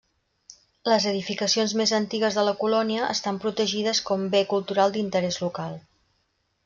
Les edificacions més antigues de la colònia estan protegides com Bé cultural d'interès local.